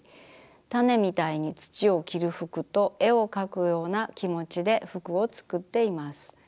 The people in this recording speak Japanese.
「種みたいに土を着る服」と絵を描くような気持ちで服をつくっています。